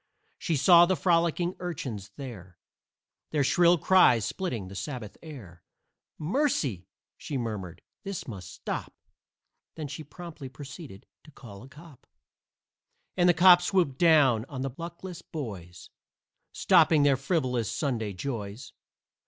She saw the frolicking urchins there, Their shrill cries splitting the Sabbath air. "Mercy!" she murmured, "this must stop!" Then promptly proceeded to call a cop; And the cop swooped down on the luckless boys, Stopping their frivolous Sunday joys.